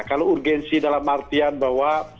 kalau urgensi dalam artian bahwa